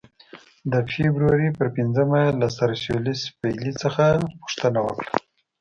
د فبرورۍ پر پنځمه یې له سر لیویس پیلي څخه پوښتنه وکړه.